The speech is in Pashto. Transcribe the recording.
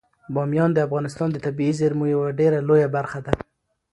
بامیان د افغانستان د طبیعي زیرمو یوه ډیره لویه برخه ده.